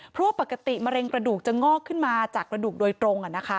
เพราะว่าปกติมะเร็งกระดูกจะงอกขึ้นมาจากกระดูกโดยตรง